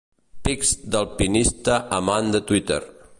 Pics d'alpinista amant de Twitter.